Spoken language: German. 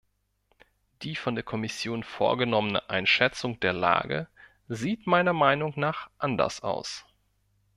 Die von der Kommission vorgenommene Einschätzung der Lage sieht meiner Meinung nach anders aus.